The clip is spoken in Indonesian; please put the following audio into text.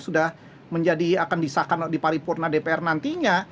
sudah menjadi akan disahkan di paripurna dpr nantinya